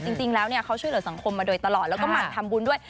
จริงแล้วเขาช่วยเหลือสังคมมาโดยตลอดแล้วก็หมั่นทำบุญด้วย